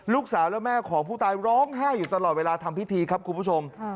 ลูกสาวและแม่ของผู้ตายร้องไห้อยู่ตลอดเวลาทำพิธีครับคุณผู้ชม